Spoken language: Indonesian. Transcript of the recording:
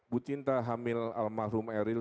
bu cinta hamil al mahrum eril